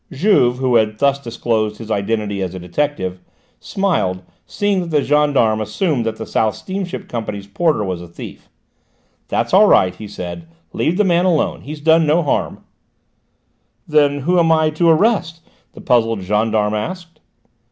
Juve, who had thus disclosed his identity as a detective, smiled, seeing that the gendarme assumed that the South Steamship Company's porter was a thief. "That's all right," he said. "Leave the man alone. He's done no harm." "Then who am I to arrest?" the puzzled gendarme asked.